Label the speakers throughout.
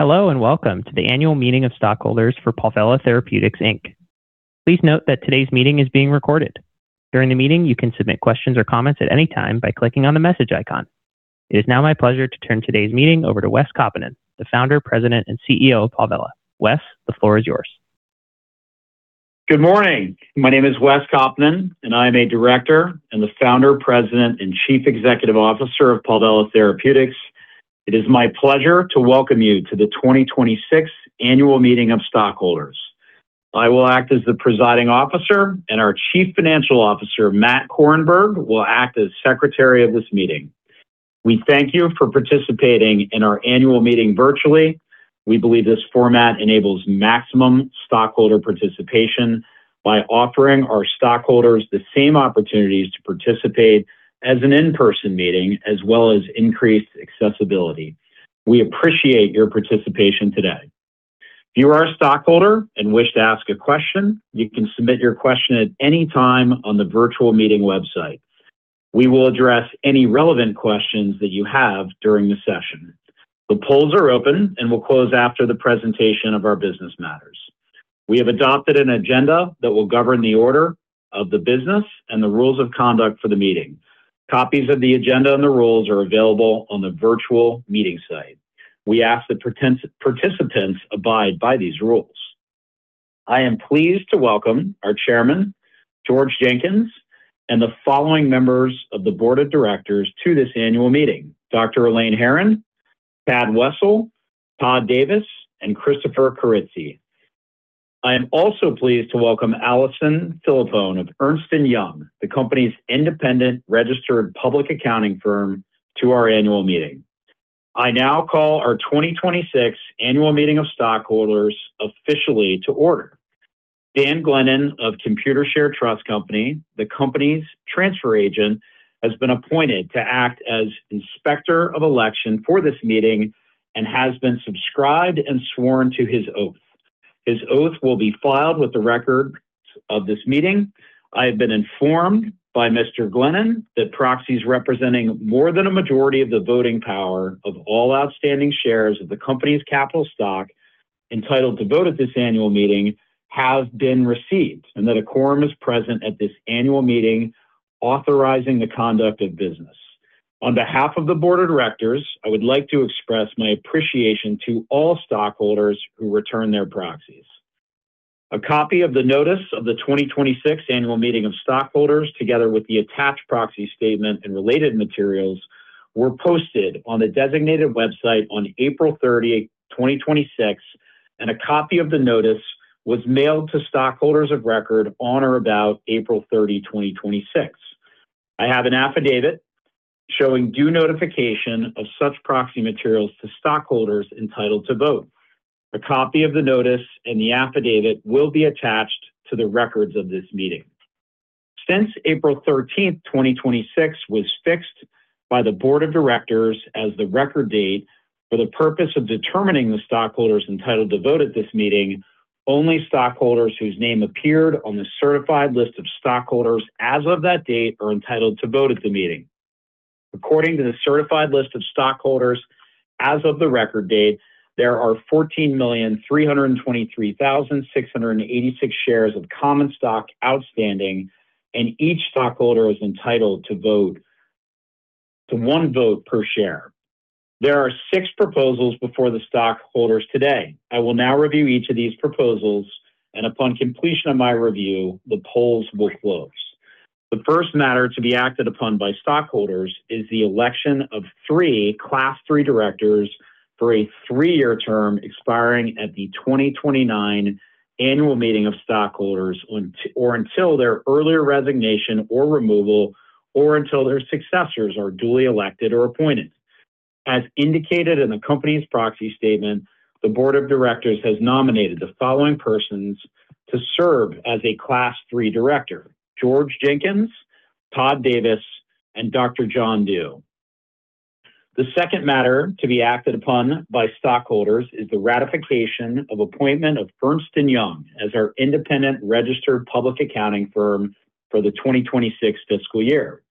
Speaker 1: Hello, and welcome to the Annual meeting of Stockholders for Palvella Therapeutics, Inc. Please note that today's meeting is being recorded. During the meeting, you can submit questions or comments at any time by clicking on the message icon. It is now my pleasure to turn today's meeting over to Wes Kaupinen, the founder, president, and CEO of Palvella Therapeutics. Wes, the floor is yours.
Speaker 2: Good morning. My name is Wes Kaupinen, and I am a director and the founder, president, and chief executive officer of Palvella Therapeutics. It is my pleasure to welcome you to the 2026 Annual Meeting of Stockholders. I will act as the presiding officer, and our chief financial officer, Matt Korenberg, will act as secretary of this meeting. We thank you for participating in our annual meeting virtually. We believe this format enables maximum stockholder participation by offering our stockholders the same opportunities to participate as an in-person meeting, as well as increased accessibility. We appreciate your participation today. If you are a stockholder and wish to ask a question, you can submit your question at any time on the virtual meeting website. We will address any relevant questions that you have during the session. The polls are open and will close after the presentation of our business matters. We have adopted an agenda that will govern the order of the business and the rules of conduct for the meeting. Copies of the agenda and the rules are available on the virtual meeting site. We ask that participants abide by these rules. I am pleased to welcome our chairman, George Jenkins, and the following members of the board of directors to this annual meeting: Dr. Elaine Heron, Tadd Wessel, Todd Davis, and Chris Kiritsy. I am also pleased to welcome Alyson Filippone of Ernst & Young, the company's independent registered public accounting firm, to our annual meeting. I now call our 2026 annual meeting of stockholders officially to order. Dan Glennon of Computershare Trust Company, the company's transfer agent, has been appointed to act as inspector of election for this meeting and has been subscribed and sworn to his oath. His oath will be filed with the records of this meeting. I have been informed by Mr. Glennon that proxies representing more than a majority of the voting power of all outstanding shares of the company's capital stock entitled to vote at this annual meeting have been received and that a quorum is present at this annual meeting authorizing the conduct of business. On behalf of the board of directors, I would like to express my appreciation to all stockholders who return their proxies. A copy of the notice of the 2026 annual meeting of stockholders, together with the attached proxy statement and related materials, were posted on the designated website on April 30, 2026, and a copy of the notice was mailed to stockholders of record on or about April 30, 2026. I have an affidavit showing due notification of such proxy materials to stockholders entitled to vote. A copy of the notice and the affidavit will be attached to the records of this meeting. Since April 13th, 2026, was fixed by the board of directors as the record date for the purpose of determining the stockholders entitled to vote at this meeting, only stockholders whose name appeared on the certified list of stockholders as of that date are entitled to vote at the meeting. According to the certified list of stockholders as of the record date, there are 14,323,686 shares of common stock outstanding, and each stockholder is entitled to one vote per share. There are six proposals before the stockholders today. I will now review each of these proposals, and upon completion of my review, the polls will close. The first matter to be acted upon by stockholders is the election of three Class III directors for a three-year term expiring at the 2029 annual meeting of stockholders or until their earlier resignation or removal, or until their successors are duly elected or appointed. As indicated in the company's proxy statement, the board of directors has nominated the following persons to serve as a Class III director: George Jenkins, Todd Davis, and Dr. John Doux. The second matter to be acted upon by stockholders is the ratification of appointment of Ernst & Young as our independent registered public accounting firm for the 2026 fiscal year.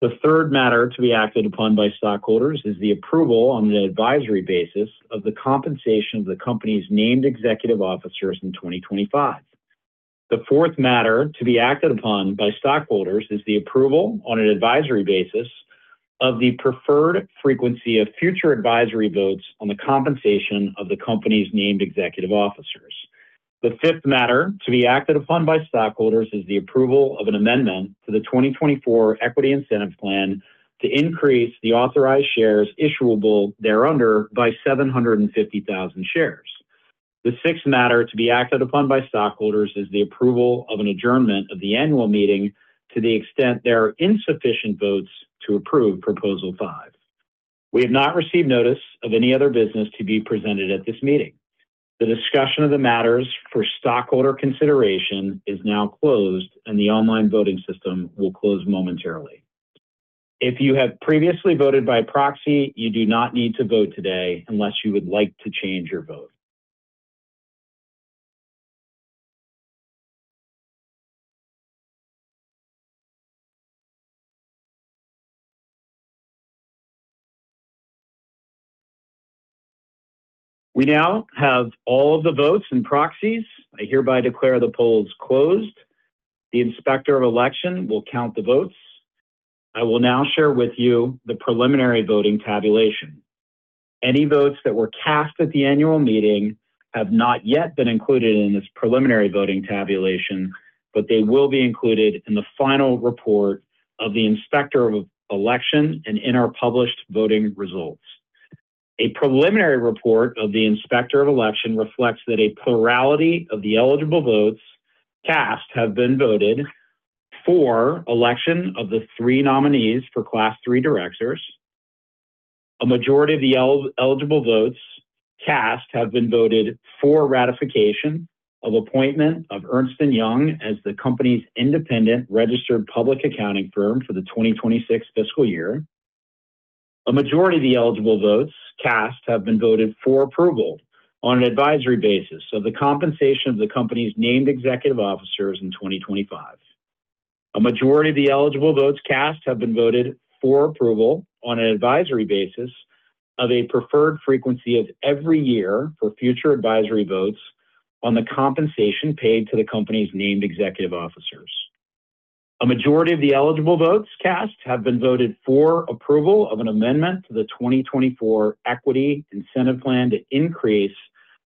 Speaker 2: The third matter to be acted upon by stockholders is the approval on the advisory basis of the compensation of the company's named executive officers in 2025. The fourth matter to be acted upon by stockholders is the approval on an advisory basis of the preferred frequency of future advisory votes on the compensation of the company's named executive officers. The fifth matter to be acted upon by stockholders is the approval of an amendment to the 2024 Equity Incentive Plan to increase the authorized shares issuable thereunder by 750,000 shares. The sixth matter to be acted upon by stockholders is the approval of an adjournment of the annual meeting to the extent there are insufficient votes to approve Proposal 5. We have not received notice of any other business to be presented at this meeting. The discussion of the matters for stockholder consideration is now closed, and the online voting system will close momentarily. If you have previously voted by proxy, you do not need to vote today unless you would like to change your vote. We now have all of the votes and proxies. I hereby declare the polls closed. The Inspector of Election will count the votes. I will now share with you the preliminary voting tabulation. Any votes that were cast at the annual meeting have not yet been included in this preliminary voting tabulation, but they will be included in the final report of the Inspector of Election and in our published voting results. A preliminary report of the Inspector of Election reflects that a plurality of the eligible votes cast have been voted for election of the three nominees for Class III directors. A majority of the eligible votes cast have been voted for ratification of appointment of Ernst & Young as the company's independent registered public accounting firm for the 2026 fiscal year. A majority of the eligible votes cast have been voted for approval on an advisory basis of the compensation of the company's named executive officers in 2025. A majority of the eligible votes cast have been voted for approval on an advisory basis of a preferred frequency of every year for future advisory votes on the compensation paid to the company's named executive officers. A majority of the eligible votes cast have been voted for approval of an amendment to the 2024 Equity Incentive Plan to increase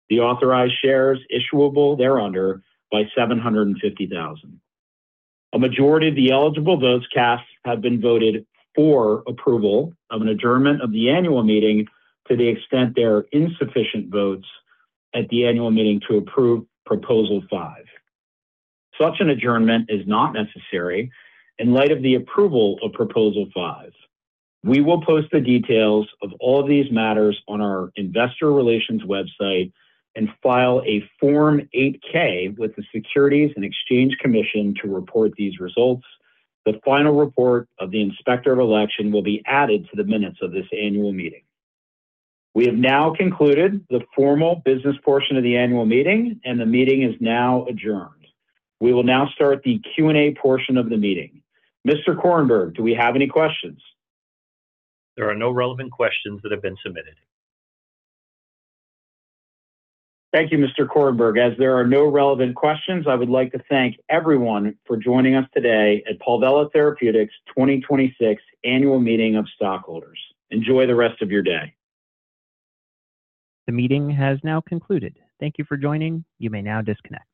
Speaker 2: the authorized shares issuable thereunder by 750,000. A majority of the eligible votes cast have been voted for approval of an adjournment of the annual meeting to the extent there are insufficient votes at the annual meeting to approve Proposal 5. Such an adjournment is not necessary in light of the approval of Proposal 5. We will post the details of all these matters on our investor relations website and file a Form 8-K with the Securities and Exchange Commission to report these results. The final report of the Inspector of Election will be added to the minutes of this annual meeting. We have now concluded the formal business portion of the annual meeting, and the meeting is now adjourned. We will now start the Q&A portion of the meeting. Mr. Korenberg, do we have any questions?
Speaker 3: There are no relevant questions that have been submitted.
Speaker 2: Thank you, Mr. Korenberg. As there are no relevant questions, I would like to thank everyone for joining us today at Palvella Therapeutics 2026 Annual Meeting of Stockholders. Enjoy the rest of your day.
Speaker 1: The meeting has now concluded. Thank you for joining. You may now disconnect.